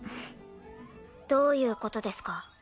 どういう事ですか？